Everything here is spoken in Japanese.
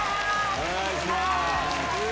お願いします。